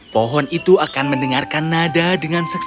pohon itu akan mendengarkan nada dengan seksual